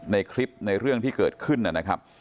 ในคลิปในเรื่องที่เกิดขึ้นนะครับ